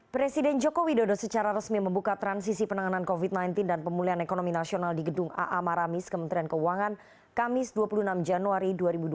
presiden joko widodo secara resmi membuka transisi penanganan covid sembilan belas dan pemulihan ekonomi nasional di gedung aa maramis kementerian keuangan kamis dua puluh enam januari dua ribu dua puluh